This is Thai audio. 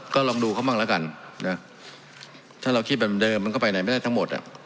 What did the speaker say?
ก็ลองดูเขาบ้างแล้วกันนะถ้าเราคิดแบบเดิมมันก็ไปไหนไม่ได้ทั้งหมด